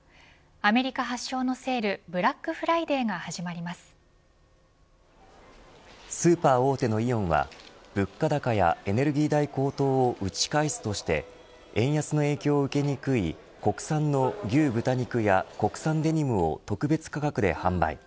アメリカ発祥のセールブラックフライデーがスーパー大手のイオンは物価高やエネルギー代高騰を打ち返すとして円安の影響を受けにくい国産の牛豚肉や国産デニムを特別価格で販売。